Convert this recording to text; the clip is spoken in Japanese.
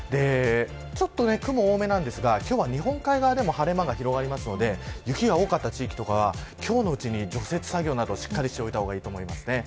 ちょっと雲が多めですが、今日は日本海側でも晴れ間が広がりますので雪が多かった地域とかは今日のうちに除雪作業など、しっかりした方がいいと思いますね。